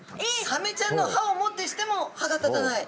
サメちゃんの歯をもってしても歯が立たない。